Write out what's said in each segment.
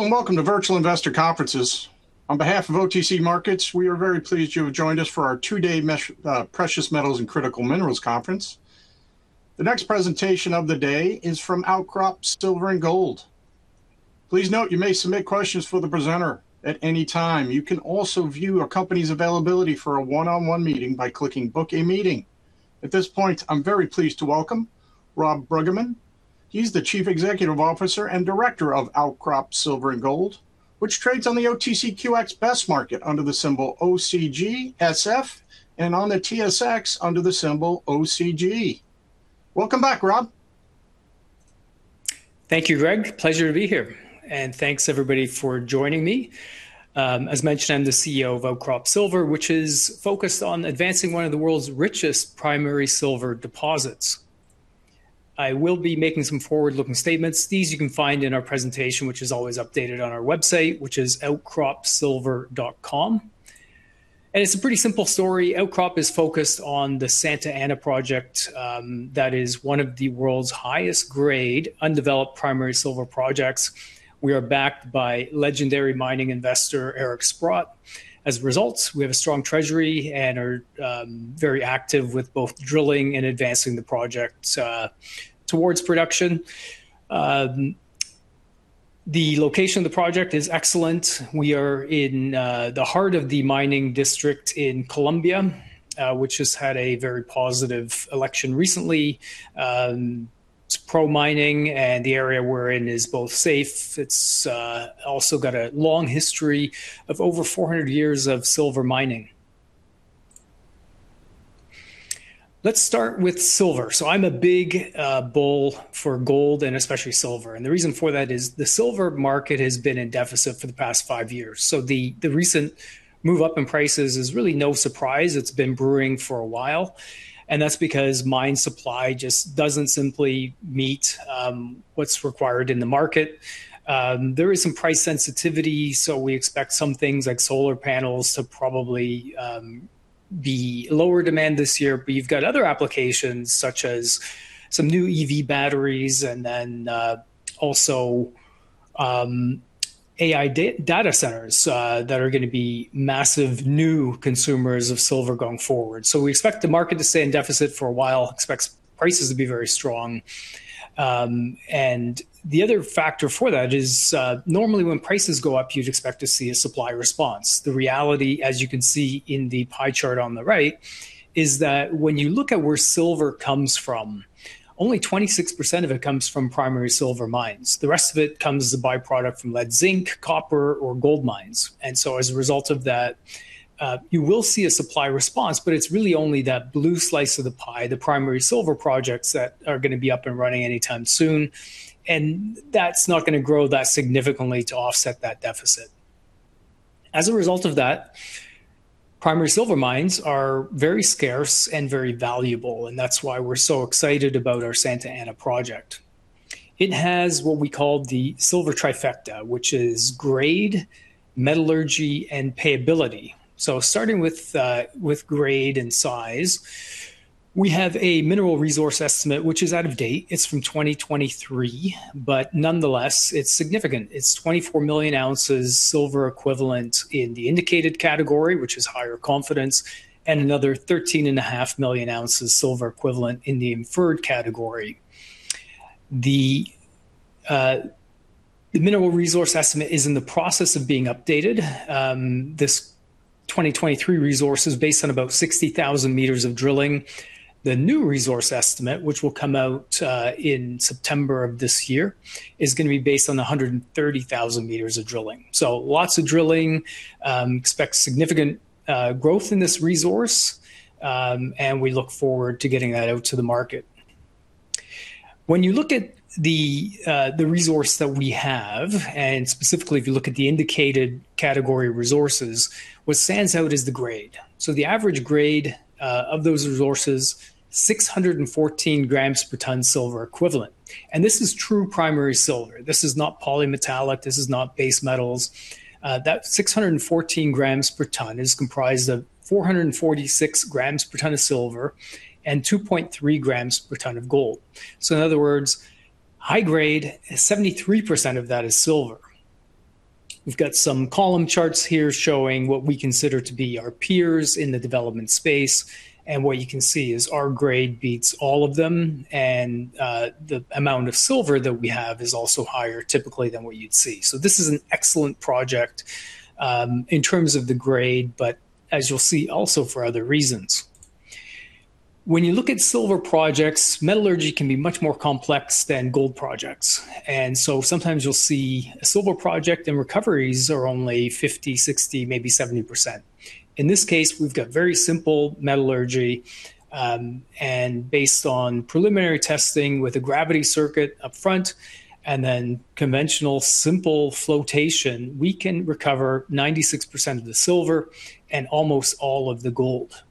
Hello, and welcome to Virtual Investor Conferences. On behalf of OTC Markets, we are very pleased you have joined us for our two-day Precious Metals and Critical Minerals Conference. The next presentation of the day is from Outcrop Silver & Gold. Please note you may submit questions for the presenter at any time. You can also view a company's availability for a one-on-one meeting by clicking Book a Meeting. At this point, I'm very pleased to welcome Rob Bruggeman. He's the Chief Executive Officer and Director of Outcrop Silver & Gold, which trades on the OTCQX Best Market under the symbol OCGSF, and on the TSX under the symbol OCG. Welcome back, Rob. Thank you, Greg. Pleasure to be here. Thanks everybody for joining me. As mentioned, I'm the CEO of Outcrop Silver, which is focused on advancing one of the world's richest primary silver deposits. I will be making some forward-looking statements. These you can find in our presentation, which is always updated on our website, which is outcropsilver.com. It's a pretty simple story. Outcrop is focused on the Santa Ana project, that is one of the world's highest grade undeveloped primary silver projects. We are backed by legendary mining investor Eric Sprott. As a result, we have a strong treasury and are very active with both drilling and advancing the project towards production. The location of the project is excellent. We are in the heart of the mining district in Colombia, which has had a very positive election recently. It's pro-mining and the area we're in is both safe. It's also got a long history of over 400 years of silver mining. Let's start with silver. I'm a big bull for gold and especially silver. The reason for that is the silver market has been in deficit for the past five years. The recent move up in prices is really no surprise. It's been brewing for a while, and that's because mine supply just doesn't simply meet what's required in the market. There is some price sensitivity. We expect some things like solar panels to probably be lower demand this year. You've got other applications such as some new EV batteries, AI data centers that are going to be massive new consumers of silver going forward. We expect the market to stay in deficit for a while, expect prices to be very strong. The other factor for that is normally when prices go up, you'd expect to see a supply response. The reality, as you can see in the pie chart on the right, is that when you look at where silver comes from, only 26% of it comes from primary silver mines. The rest of it comes as a byproduct from lead zinc, copper or gold mines. As a result of that, you will see a supply response. It's really only that blue slice of the pie, the primary silver projects that are going to be up and running any time soon. That's not going to grow that significantly to offset that deficit. As a result of that, primary silver mines are very scarce and very valuable. That's why we're so excited about our Santa Ana project. It has what we call the silver trifecta, which is grade, metallurgy, and payability. Starting with grade and size, we have a mineral resource estimate, which is out of date. It's from 2023, but nonetheless, it's significant. It's 24 million ounces silver equivalent in the indicated category, which is higher confidence, and another 13.5 million ounces silver equivalent in the inferred category. The mineral resource estimate is in the process of being updated. This 2023 resource is based on about 60,000 m of drilling. The new resource estimate, which will come out in September of this year, is going to be based on the 130,000 m of drilling. Lots of drilling. Expect significant growth in this resource, and we look forward to getting that out to the market. When you look at the resource that we have, and specifically if you look at the indicated category resources, what stands out is the grade. The average grade of those resources, 614 g per ton silver equivalent. This is true primary silver. This is not polymetallic. This is not base metals. That 614 g per ton is comprised of 446 g per ton of silver and 2.3 g per ton of gold. In other words, high grade, 73% of that is silver. We've got some column charts here showing what we consider to be our peers in the development space. What you can see is our grade beats all of them, and the amount of silver that we have is also higher typically than what you'd see. This is an excellent project, in terms of the grade, but as you'll see also for other reasons. When you look at silver projects, metallurgy can be much more complex than gold projects, sometimes you'll see a silver project and recoveries are only 50%, 60%, maybe 70%. In this case, we've got very simple metallurgy, based on preliminary testing with a gravity circuit upfront and then conventional simple flotation, we can recover 96% of the silver and almost all of the gold.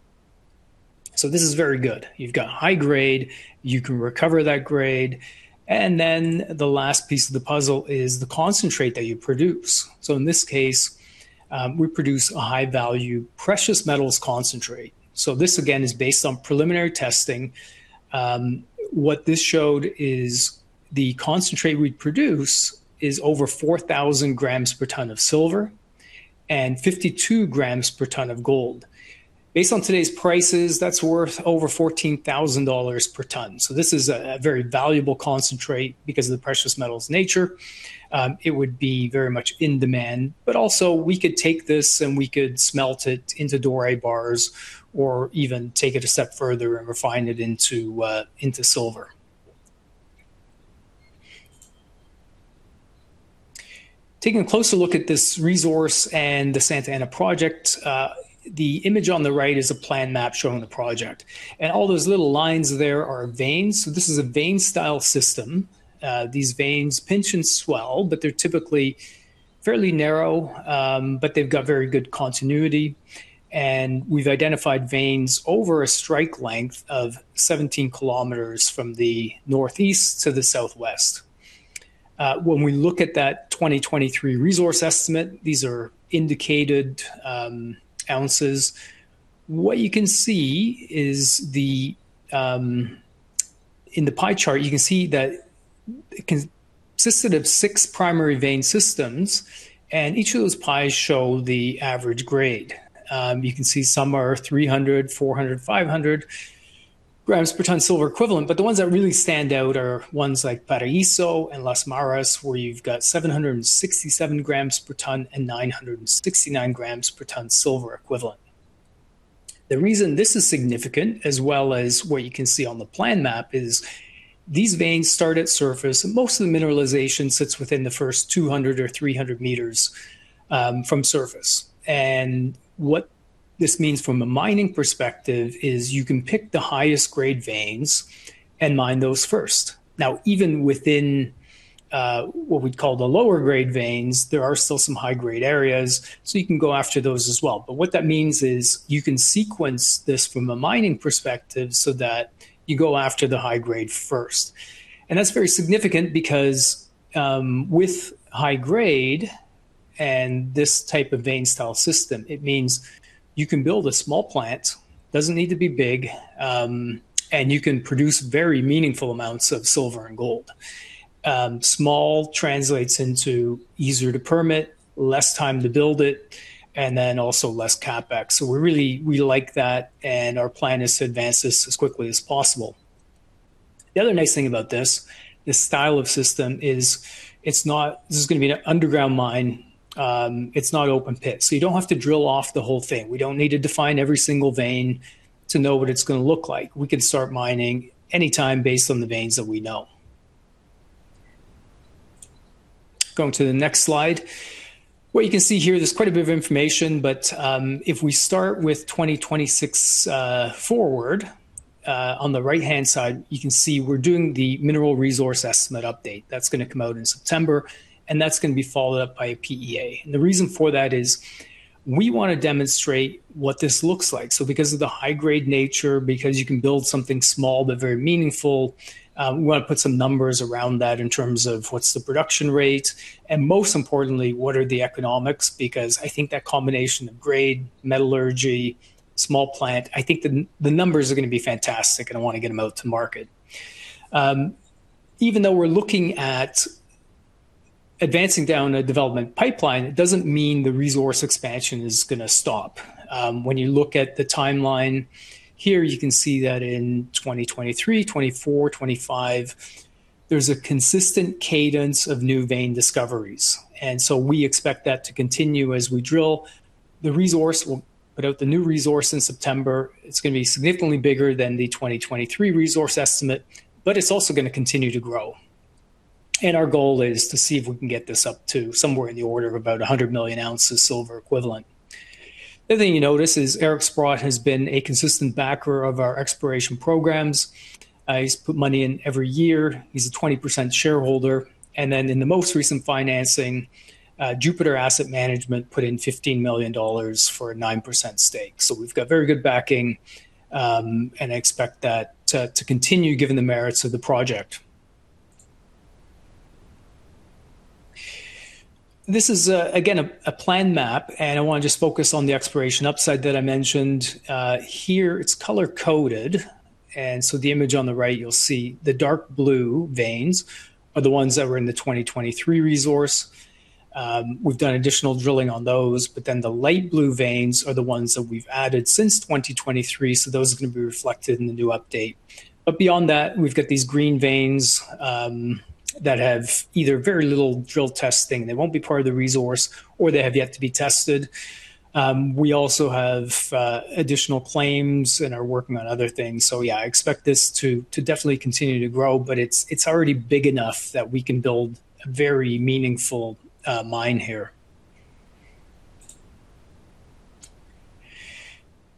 This is very good. You've got high grade. You can recover that grade. Then the last piece of the puzzle is the concentrate that you produce. In this case, we produce a high-value precious metals concentrate. This again is based on preliminary testing. What this showed is the concentrate we produce is over 4,000 g per ton of silver and 52 g per ton of gold. Based on today's prices, that's worth over 14,000 dollars per ton. This is a very valuable concentrate because of the precious metal's nature. It would be very much in demand. Also we could take this and we could smelt it into doré bars or even take it a step further and refine it into silver. Taking a closer look at this resource and the Santa Ana project, the image on the right is a plan map showing the project. All those little lines there are veins. This is a vein style system. These veins pinch and swell, but they're typically fairly narrow, but they've got very good continuity. We've identified veins over a strike length of 17 km from the Northeast to the Southwest. When we look at that 2023 resource estimate, these are indicated ounces. In the pie chart, you can see that it consisted of six primary vein systems, and each of those pies show the average grade. You can see some are 300, 400, 500 grams per ton silver equivalent. The ones that really stand out are ones like Paraiso and Las Maras, where you've got 767 g per ton and 969 g per ton silver equivalent. The reason this is significant, as well as what you can see on the plan map, is these veins start at surface. Most of the mineralization sits within the first 200 m or 300 m from surface. What this means from a mining perspective is you can pick the highest grade veins and mine those first. Now, even within what we'd call the lower grade veins, there are still some high-grade areas, so you can go after those as well. What that means is you can sequence this from a mining perspective so that you go after the high grade first. That's very significant because with high grade and this type of vein style system, it means you can build a small plant, doesn't need to be big, and you can produce very meaningful amounts of silver and gold. Small translates into easier to permit, less time to build it, and also less CapEx. We like that, and our plan is to advance this as quickly as possible. The other nice thing about this style of system is this is going to be an underground mine. It's not open pit, so you don't have to drill off the whole thing. We don't need to define every single vein to know what it's going to look like. We can start mining any time based on the veins that we know. Going to the next slide. What you can see here, there's quite a bit of information, but if we start with 2026 forward, on the right-hand side, you can see we're doing the Mineral Resource Estimate update. That's going to come out in September, and that's going to be followed up by a PEA. The reason for that is we want to demonstrate what this looks like. Because of the high-grade nature, because you can build something small but very meaningful, we want to put some numbers around that in terms of what's the production rate and most importantly, what are the economics, because I think that combination of grade, metallurgy, small plant, I think the numbers are going to be fantastic and I want to get them out to market. Even though we're looking at advancing down a development pipeline, it doesn't mean the resource expansion is going to stop. When you look at the timeline here, you can see that in 2023, 2024, 2025, there's a consistent cadence of new vein discoveries, and so we expect that to continue as we drill. The resource, we'll put out the new resource in September. It's going to be significantly bigger than the 2023 resource estimate, but it's also going to continue to grow. Our goal is to see if we can get this up to somewhere in the order of about 100 million ounces silver equivalent. The other thing you notice is Eric Sprott has been a consistent backer of our exploration programs. He's put money in every year. He's a 20% shareholder. In the most recent financing, Jupiter Asset Management put in 15 million dollars for a 9% stake. We've got very good backing, and I expect that to continue given the merits of the project. This is, again, a plan map. I want to just focus on the exploration upside that I mentioned. Here it's color-coded. The image on the right you'll see the dark blue veins are the ones that were in the 2023 resource. We've done additional drilling on those. The light blue veins are the ones that we've added since 2023, so those are going to be reflected in the new update. Beyond that, we've got these green veins that have either very little drill testing, they won't be part of the resource, or they have yet to be tested. We also have additional claims and are working on other things. I expect this to definitely continue to grow, but it's already big enough that we can build a very meaningful mine here.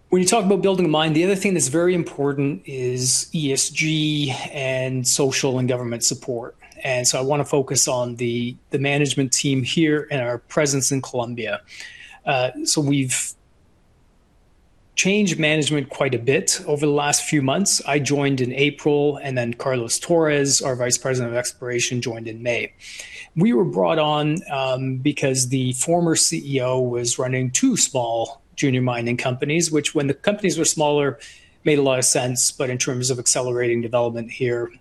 When you talk about building a mine, the other thing that's very important is ESG and social and government support. I want to focus on the management team here and our presence in Colombia. We've changed management quite a bit over the last few months. I joined in April. Carlos Torres, our Vice President of Exploration, joined in May. We were brought on because the former CEO was running two small junior mining companies, which when the companies were smaller, made a lot of sense, but in terms of accelerating development here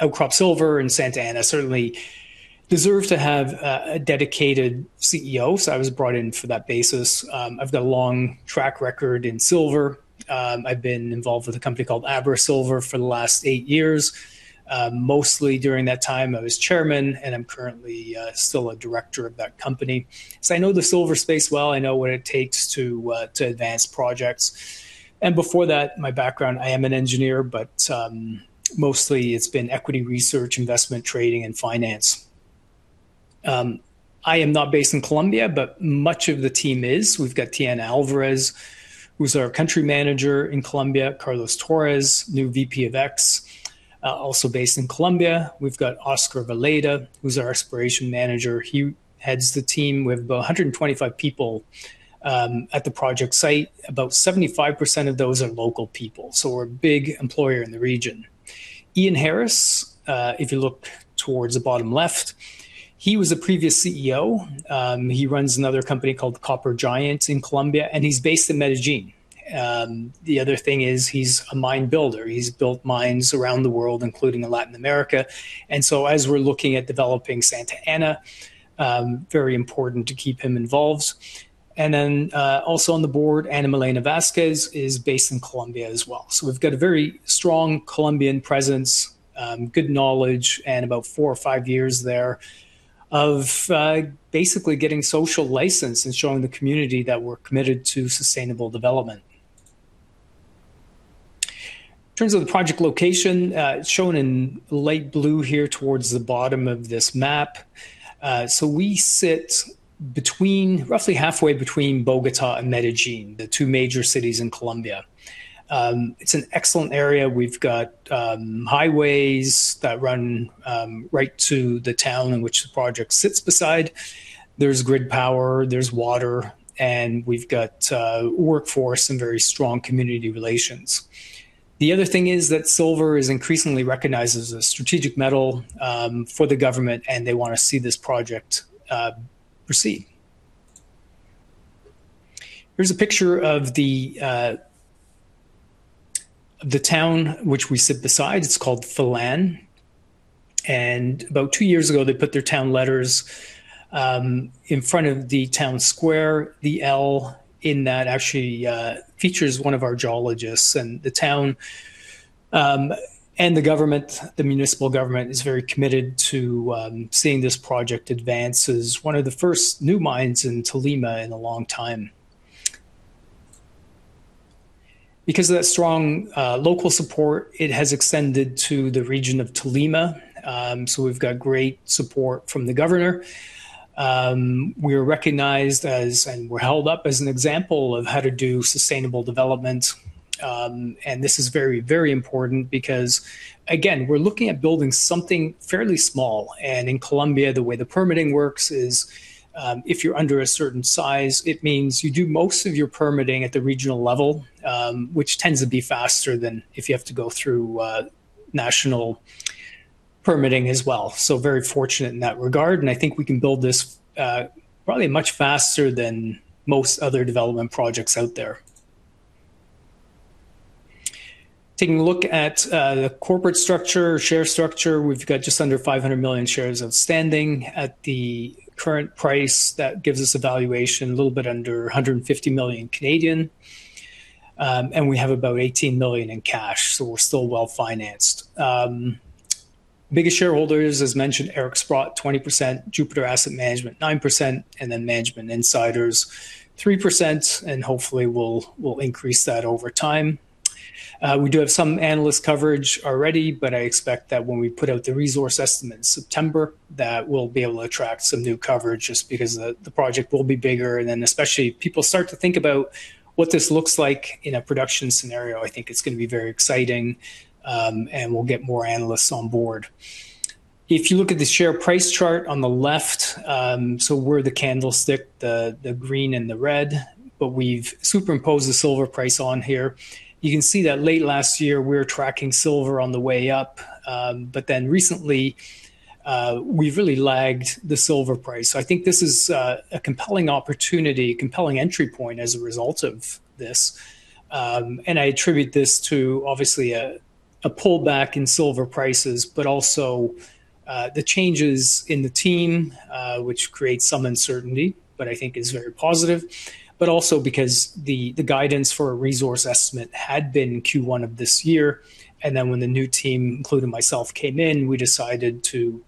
Outcrop Silver in Santa Ana certainly deserves to have a dedicated CEO. I was brought in for that basis. I've got a long track record in silver. I've been involved with a company called AbraSilver for the last eight years. Mostly during that time I was chairman, and I'm currently still a director of that company. I know the silver space well. I know what it takes to advance projects. Before that, my background, I am an engineer, but mostly it's been equity research, investment trading, and finance. I am not based in Colombia, but much of the team is. We've got Thyana Alvarez, who's our Country Manager in Colombia. Carlos Torres, new VP of Ex, also based in Colombia. We've got Oscar Villada, who's our Exploration Manager. He heads the team. We have about 125 people at the project site. About 75% of those are local people, so we're a big employer in the region. Ian Harris, if you look towards the bottom left, he was a previous CEO. He runs another company called Copper Giant in Colombia, and he's based in Medellin. The other thing is he's a mine builder. He's built mines around the world, including in Latin America. As we're looking at developing Santa Ana, very important to keep him involved. Also on the board, Ana Milena Vásquez is based in Colombia as well. We've got a very strong Colombian presence, good knowledge, and about four or five years there of basically getting social license and showing the community that we're committed to sustainable development. In terms of the project location, it's shown in light blue here towards the bottom of this map. We sit roughly halfway between Bogota and Medellin, the two major cities in Colombia. It's an excellent area. We've got highways that run right to the town in which the project sits beside. There's grid power, there's water, and we've got a workforce and very strong community relations. The other thing is that silver is increasingly recognized as a strategic metal for the government, and they want to see this project proceed. Here's a picture of the town which we sit beside. It's called Filandia. About two years ago, they put their town letters in front of the town square. The L in that actually features one of our geologists and the town and the municipal government is very committed to seeing this project advance as one of the first new mines in Tolima in a long time. Because of that strong local support, it has extended to the region of Tolima, we've got great support from the governor. We're held up as an example of how to do sustainable development, and this is very, very important because, again, we're looking at building something fairly small. In Colombia, the way the permitting works is, if you're under a certain size, it means you do most of your permitting at the regional level, which tends to be faster than if you have to go through national permitting as well. Very fortunate in that regard, and I think we can build this probably much faster than most other development projects out there. Taking a look at the corporate structure, share structure, we've got just under 500 million shares outstanding. At the current price, that gives us a valuation a little bit under 150 million, and we have about 18 million in cash, we're still well-financed. Biggest shareholders, as mentioned, Eric Sprott 20%, Jupiter Asset Management 9%, and then management insiders 3%. Hopefully we'll increase that over time. We do have some analyst coverage already, I expect that when we put out the resource estimate in September, that we'll be able to attract some new coverage just because the project will be bigger, especially if people start to think about what this looks like in a production scenario, I think it's going to be very exciting, we'll get more analysts on board. If you look at the share price chart on the left, so we're the candlestick, the green and the red, but we've superimposed the silver price on here. You can see that late last year we were tracking silver on the way up. Recently, we've really lagged the silver price. I think this is a compelling opportunity, compelling entry point as a result of this. I attribute this to obviously a pullback in silver prices, but also the changes in the team, which creates some uncertainty, but I think is very positive. Also because the guidance for a resource estimate had been Q1 of this year, when the new team, including myself, came in, we decided to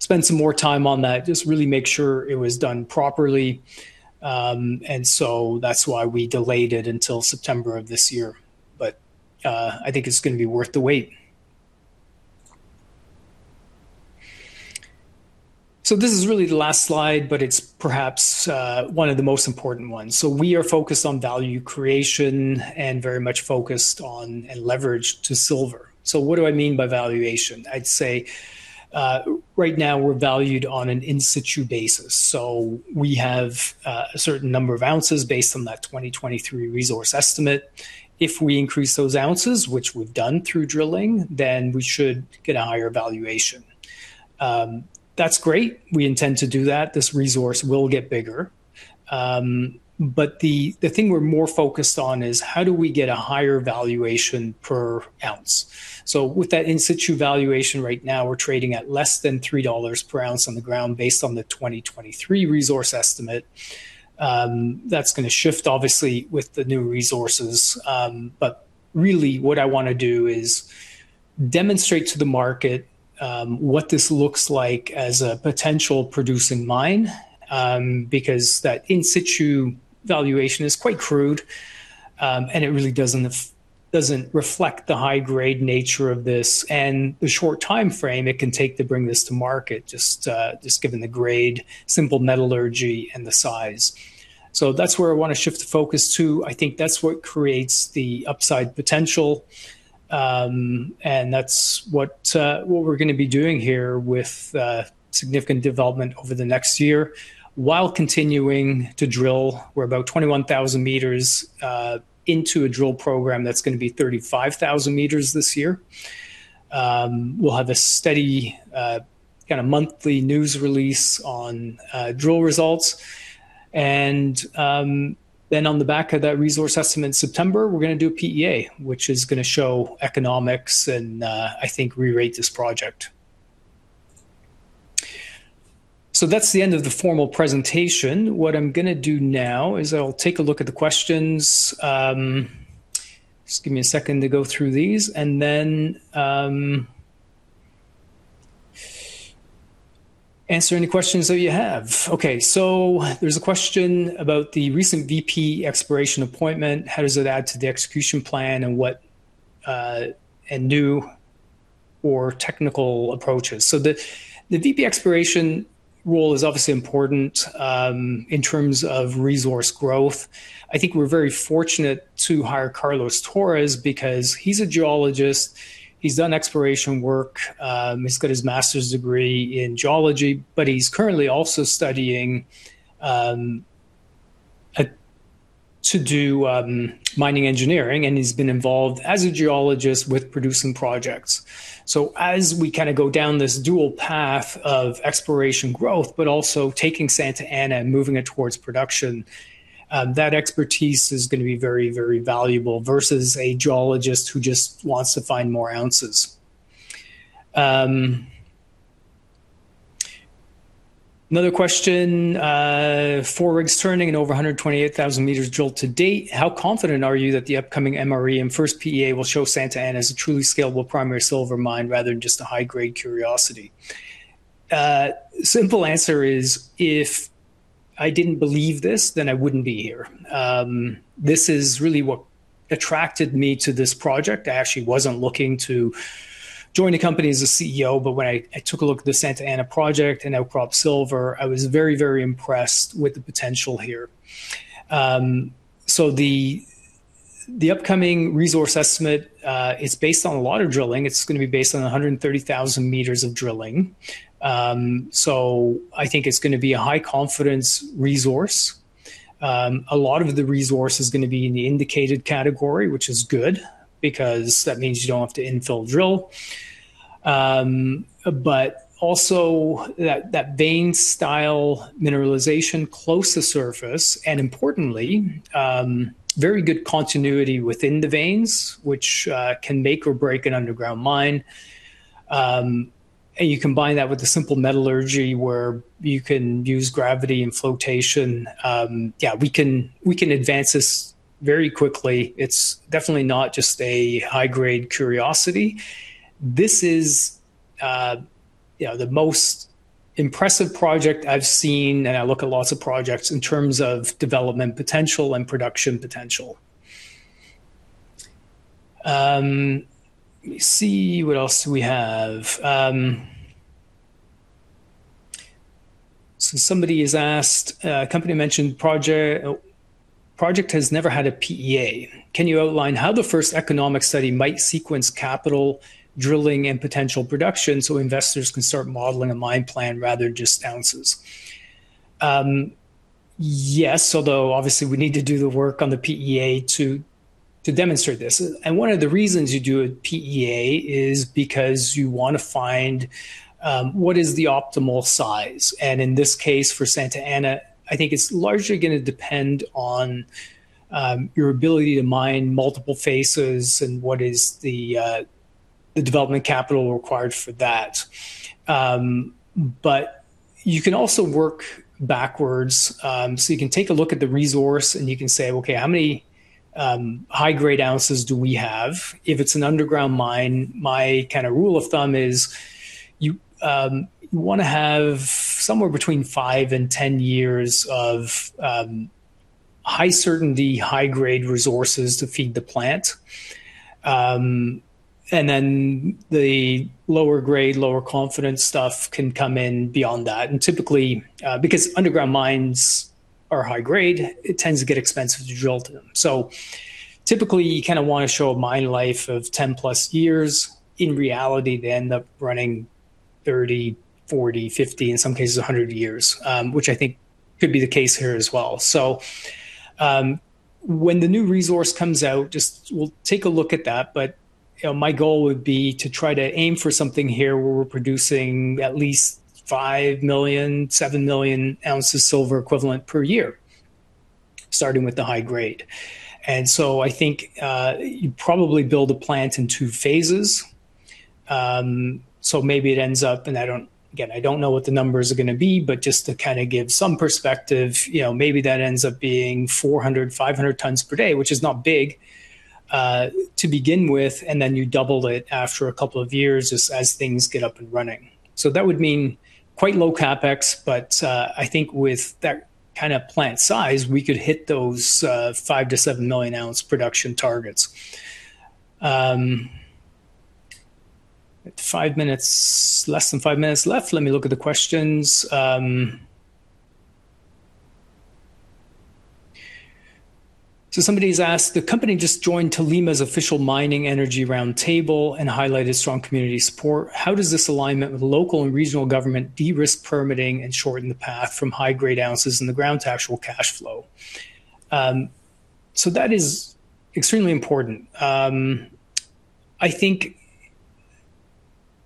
spend some more time on that, just really make sure it was done properly. That's why we delayed it until September of this year. I think it's going to be worth the wait. This is really the last slide, but it's perhaps one of the most important ones. We are focused on value creation and very much focused on and leveraged to silver. What do I mean by valuation? I'd say, right now we're valued on an in situ basis. We have a certain number of ounces based on that 2023 resource estimate. If we increase those ounces, which we've done through drilling, we should get a higher valuation. That's great. We intend to do that. This resource will get bigger. The thing we're more focused on is how do we get a higher valuation per ounce? With that in situ valuation right now, we're trading at less than 3 dollars per ounce on the ground based on the 2023 resource estimate. That's going to shift obviously with the new resources. Really what I want to do is demonstrate to the market what this looks like as a potential producing mine, because that in situ valuation is quite crude, and it really doesn't reflect the high-grade nature of this and the short timeframe it can take to bring this to market, just given the grade, simple metallurgy, and the size. That's where I want to shift the focus to. I think that's what creates the upside potential, and that's what we're going to be doing here with significant development over the next year, while continuing to drill. We're about 21,000 m into a drill program that's going to be 35,000 m this year. We'll have a steady monthly news release on drill results. On the back of that resource estimate in September, we're going to do a PEA, which is going to show economics and I think re-rate this project. That's the end of the formal presentation. What I'm going to do now is I'll take a look at the questions. Just give me a second to go through these, and answer any questions that you have. There's a question about the recent VP exploration appointment, how does it add to the execution plan and new or technical approaches. The VP exploration role is obviously important, in terms of resource growth. I think we're very fortunate to hire Carlos Torres because he's a geologist, he's done exploration work, he's got his master's degree in geology, he's currently also studying to do mining engineering, and he's been involved as a geologist with producing projects. As we go down this dual path of exploration growth, also taking Santa Ana and moving it towards production, that expertise is going to be very, very valuable, versus a geologist who just wants to find more ounces. Another question, four rigs turning and over 128,000 m drilled to date. How confident are you that the upcoming MRE and first PEA will show Santa Ana as a truly scalable primary silver mine rather than just a high-grade curiosity? Simple answer is, if I didn't believe this, I wouldn't be here. This is really what attracted me to this project. I actually wasn't looking to join the company as a CEO, when I took a look at the Santa Ana project and Outcrop Silver, I was very, very impressed with the potential here. The upcoming resource estimate is based on a lot of drilling. It's going to be based on 130,000 m of drilling. I think it's going to be a high-confidence resource. A lot of the resource is going to be in the indicated category, which is good because that means you don't have to infill drill. Also that vein style mineralization close to surface and importantly, very good continuity within the veins, which can make or break an underground mine. You combine that with the simple metallurgy where you can use gravity and flotation. Yeah, we can advance this very quickly. It's definitely not just a high-grade curiosity. This is the most impressive project I've seen, and I look at lots of projects in terms of development potential and production potential. Let me see, what else do we have? Somebody has asked, company mentioned project has never had a PEA. Can you outline how the first economic study might sequence capital drilling and potential production so investors can start modeling a mine plan rather than just ounces? Yes, although obviously we need to do the work on the PEA to demonstrate this. One of the reasons you do a PEA is because you want to find what is the optimal size. In this case, for Santa Ana, I think it's largely going to depend on your ability to mine multiple faces and what is the development capital required for that. You can also work backwards. You can take a look at the resource and you can say, "Okay, how many high-grade ounces do we have?" If it's an underground mine, my rule of thumb is you want to have somewhere between five and 10 years of high certainty, high-grade resources to feed the plant. The lower grade, lower confidence stuff can come in beyond that. Typically, because underground mines are high grade, it tends to get expensive to drill to them. Typically, you want to show a mine life of 10+ years. In reality, they end up running 30, 40, 50, in some cases, 100 years, which I think could be the case here as well. When the new resource comes out, we'll take a look at that, but my goal would be to try to aim for something here where we're producing at least 5 million, 7 million ounces silver equivalent per year, starting with the high grade. I think, you probably build a plant in two phases. Maybe it ends up, and again, I don't know what the numbers are going to be, but just to give some perspective, maybe that ends up being 400, 500 tons per day, which is not big to begin with, and then you double it after a couple of years as things get up and running. That would mean quite low CapEx, but I think with that kind of plant size, we could hit those 5 million-7 million ounce production targets. Less than five minutes left. Let me look at the questions. Somebody's asked, "The company just joined Tolima's official mining energy roundtable and highlighted strong community support. How does this alignment with local and regional government de-risk permitting and shorten the path from high grade ounces in the ground to actual cash flow?" That is extremely important. I think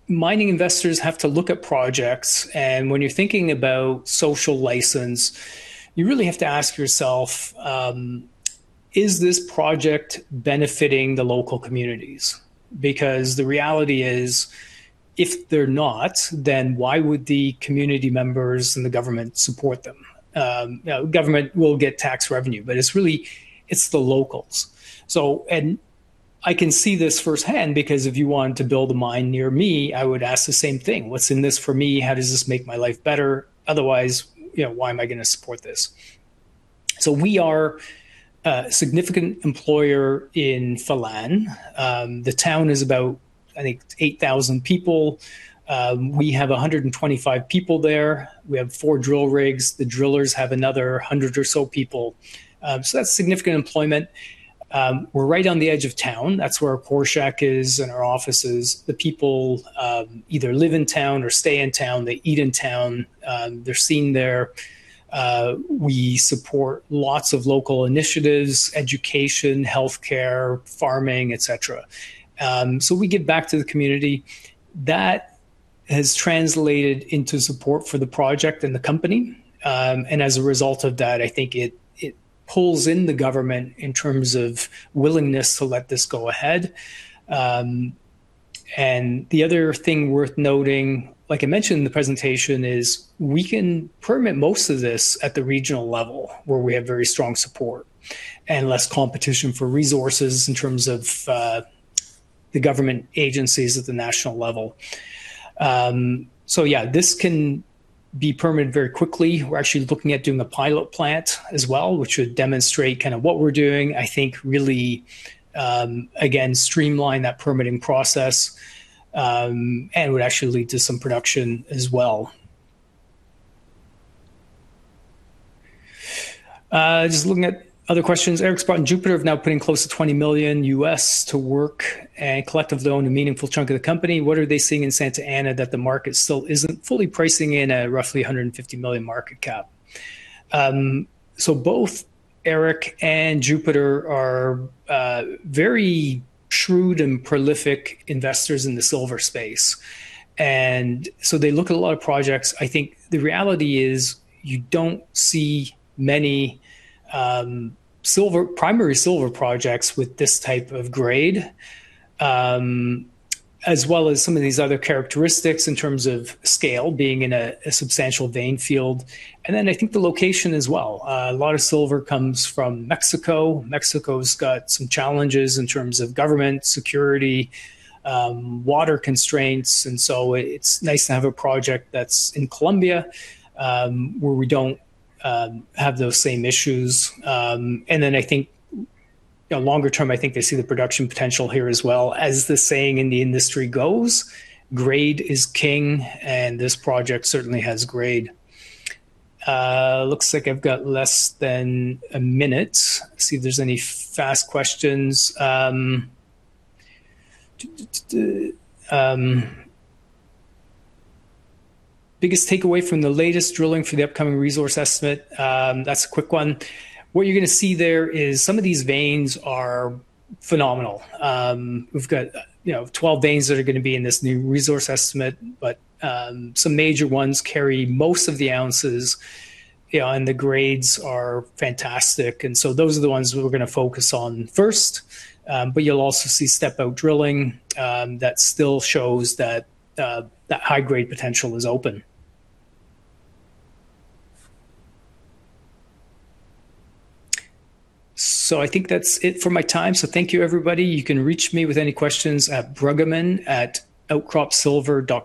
mining investors have to look at projects, and when you're thinking about social license, you really have to ask yourself is this project benefiting the local communities? Because the reality is, if they're not, then why would the community members and the government support them? Government will get tax revenue, but it's the locals. I can see this firsthand because if you want to build a mine near me, I would ask the same thing, "What's in this for me? How does this make my life better? Otherwise, why am I going to support this?" We are a significant employer in Filandia. The town is about, I think, 8,000 people. We have 125 people there. We have four drill rigs. The drillers have another 100 or so people. That's significant employment. We're right on the edge of town. That's where our core shack is and our office is. The people either live in town or stay in town. They eat in town. They're seen there. We support lots of local initiatives, education, healthcare, farming, et cetera. We give back to the community. That has translated into support for the project and the company. As a result of that, I think it pulls in the government in terms of willingness to let this go ahead. The other thing worth noting, like I mentioned in the presentation, is we can permit most of this at the regional level where we have very strong support and less competition for resources in terms of the government agencies at the national level. Yeah, this can be permitted very quickly. We're actually looking at doing a pilot plant as well, which would demonstrate what we're doing, I think really, again, streamline that permitting process, and would actually lead to some production as well. Just looking at other questions. "Eric Sprott and Jupiter have now put in close to $20 million to work and collectively own a meaningful chunk of the company. What are they seeing in Santa Ana that the market still isn't fully pricing in at a roughly 150 million market cap?" Both Eric and Jupiter are very shrewd and prolific investors in the silver space. They look at a lot of projects. I think the reality is you don't see many primary silver projects with this type of grade, as well as some of these other characteristics in terms of scale, being in a substantial vein field. Then I think the location as well. A lot of silver comes from Mexico. Mexico's got some challenges in terms of government, security, water constraints, and so it's nice to have a project that's in Colombia, where we don't have those same issues. Then longer term, I think they see the production potential here as well. As the saying in the industry goes, "Grade is king," and this project certainly has grade. Looks like I've got less than a minute. See if there's any fast questions. "Biggest takeaway from the latest drilling for the upcoming resource estimate?" That's a quick one. What you're going to see there is some of these veins are phenomenal. We've got 12 veins that are going to be in this new resource estimate, but some major ones carry most of the ounces, and the grades are fantastic. Those are the ones we're going to focus on first. You'll also see step-out drilling that still shows that that high grade potential is open. I think that's it for my time. Thank you, everybody. You can reach me with any questions at bruggeman@outcropsilver.com